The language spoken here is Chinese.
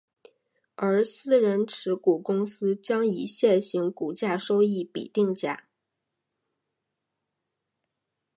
而私人持股公司将以现行股价收益比定价。